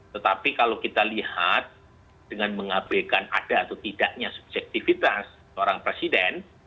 tetapi kalau kita lihat dengan mengabekan ada atau tidaknya subjektivitas seorang presiden